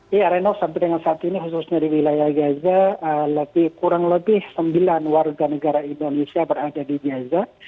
ya reno sampai dengan saat ini khususnya di wilayah gaza kurang lebih sembilan warga negara indonesia berada di gaza